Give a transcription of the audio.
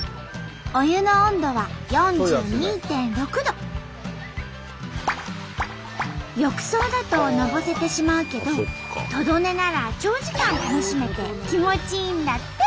お湯の浴槽だとのぼせてしまうけどトド寝なら長時間楽しめて気持ちいいんだって！